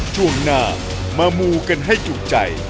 ช่วงหน้ามามูกันให้จุใจ